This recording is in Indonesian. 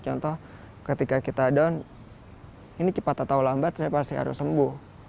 contoh ketika kita down ini cepat atau lambat saya pasti harus sembuh